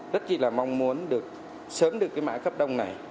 rất là mong muốn sớm được mạng cấp đông này